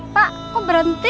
pak kok berhenti